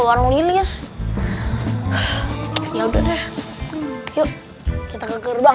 warung lilius ya udah deh yuk kita ke gerbang